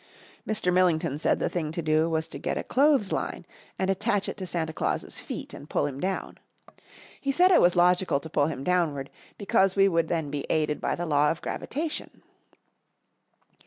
Mr. Millington said the thing to do was to get a clothesline and attach it to Santa Claus's feet and pull him down. He said it was logical to pull him downward, because we would then be aided by the law of gravitation.